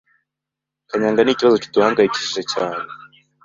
Kanyanga ni ikibazo kiduhangayikishije cyane,